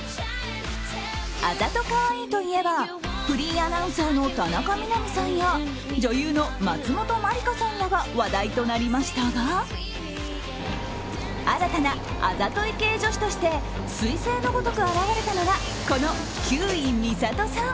あざとカワイイといえばフリーアナウンサーの田中みな実さんや女優の松本まりかさんらが話題となりましたが新たな、あざとい系女子として彗星のごとく現れたのがこの休井美郷さん。